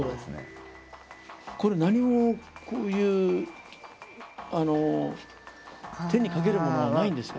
これ何もこういう手にかけるものはないんですか？